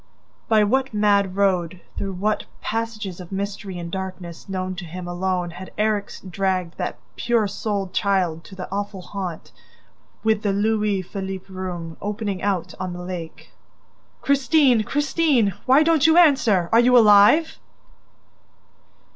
By what mad road, through what passages of mystery and darkness known to him alone had Erik dragged that pure souled child to the awful haunt, with the Louis Philippe room, opening out on the lake? "Christine! Christine! ... Why don't you answer? ... Are you alive?